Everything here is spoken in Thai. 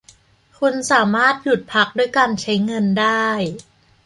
คุณสามารถหยุดพักด้วยการใช้เงินได้